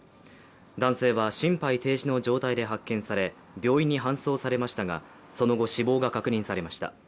男性は心肺停止の状態で発見され病院に搬送されましたがその後、死亡が確認されました。